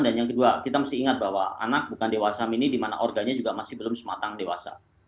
dan yang kedua kita mesti ingat bahwa anak bukan dewasa mini di mana organya juga masih belum sematang dewasa